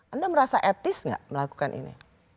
anda merasa etis nggak melakukan ini